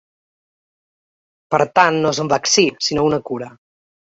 Per tant no és un vaccí sinó una cura.